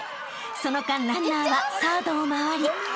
［その間ランナーはサードを回り］